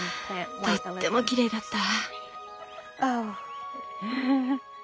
とってもきれいだった。